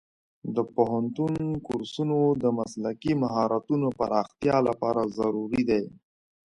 د پوهنتون کورسونه د مسلکي مهارتونو پراختیا لپاره ضروري دي.